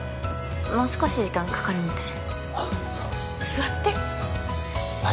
もう少し時間かかるみたいああそう座ってはい